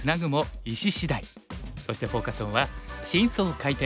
そしてフォーカス・オンは「新装開店！